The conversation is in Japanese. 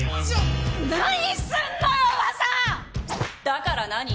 だから何？